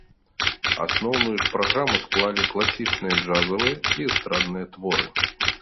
Асноўную ж праграму склалі класічныя джазавыя і эстрадныя творы.